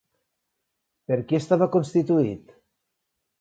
Per qui estava constituït?